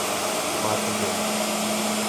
Mato Verde